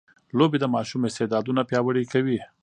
لوبې د ماشوم استعدادونه پياوړي کوي.